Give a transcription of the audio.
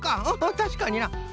たしかにな。